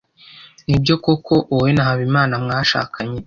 Nibyo koko wowe na Habimana mwashakanye?